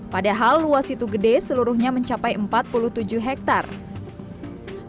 padahal luas situ gede seluruhnya mencapai empat puluh tujuh hektare